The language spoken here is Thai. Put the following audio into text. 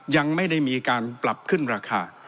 ยังไม่ได้มีการปรับขึ้นราคา